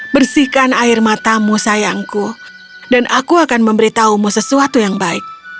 bersihkan air matamu sayangku dan aku akan memberitahumu sesuatu yang baik